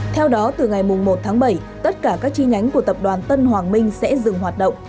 theo đó từ ngày một tháng bảy tất cả các chi nhánh của tập đoàn tân hoàng minh sẽ dừng hoạt động